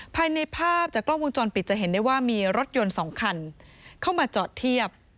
ภายในภาพจากกล้องวงจรปิดจะเห็นได้ว่ามีรถยนต์๒คันเข้ามาจอดเทียบ